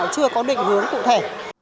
chưa có định hướng cụ thể